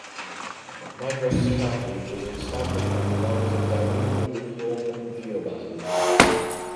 Madrasa Shahi was established on the lines of Darul Uloom Deoband.